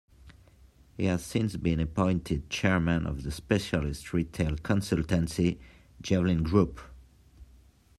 He has since been appointed chairman of the specialist retail consultancy "Javelin Group".